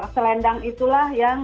selendang itulah yang